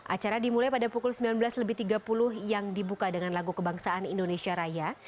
acara dimulai pada pukul sembilan belas lebih tiga puluh yang dibuka dengan lagu kebangsaan indonesia raya